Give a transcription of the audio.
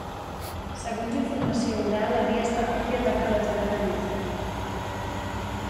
Segons informació oral havia estat propietat de la torre Gallifa.